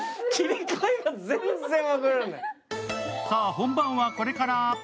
さあ、本番は、これから。